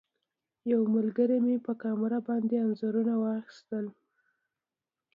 یو ملګري مو په کامره باندې انځورونه اخیستل.